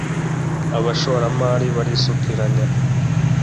abashoramari barisukiranya,